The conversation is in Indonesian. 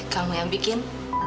kamu yang bikin